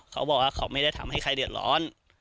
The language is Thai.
เขาบอกว่าเขาไม่ได้ทำให้ใครเดือดร้อน